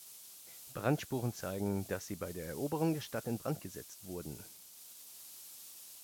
Brandspuren zeigen, dass sie bei der Eroberung der Stadt in Brand gesetzt wurden.